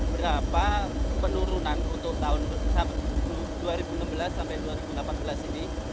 berapa penurunan untuk tahun dua ribu enam belas sampai dua ribu delapan belas ini